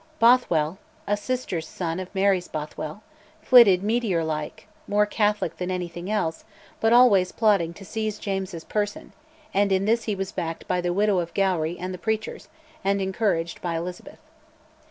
Bothwell (a sister's son of Mary's Bothwell) flitted meteor like, more Catholic than anything else, but always plotting to seize James's person; and in this he was backed by the widow of Gowrie and the preachers, and encouraged by Elizabeth.